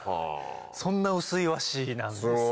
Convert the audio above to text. そんな薄い和紙なんですよね。